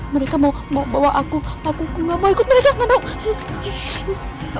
mereka mau bawa aku aku nggak mau ikut mereka nggak mau